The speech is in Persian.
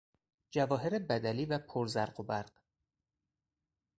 جواهر بدلی و پر زرق و برق